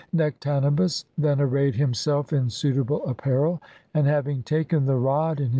Nectanebus then arrayed himself in suitable apparel, and, having taken the rod in his hand, be i.